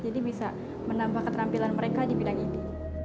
jadi bisa menambah keterampilan mereka di bidang ini